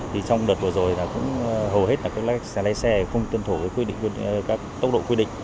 trong đợt vừa rồi hầu hết là các xe lé xe không tuân thủ với tốc độ quy định